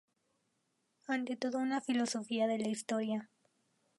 Ante todo una filosofía de la historia.